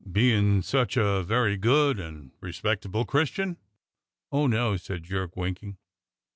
"Bein' such a very good and respectable Christian.'^ Oh, no !" said Jerk winking.